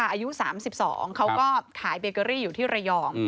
อายุ๓๒เขาก็ขายเบเกอรี่อยู่ที่ระยอง